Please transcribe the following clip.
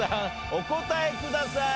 お答えください。